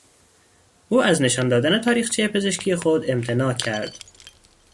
او از نشان دادن تاریخچهی پزشکی خود امتناع کرد.